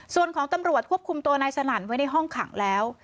ส่วนของตำรวจควบคุมตัวนายสนั่นไว้ในห้องขังแล้ว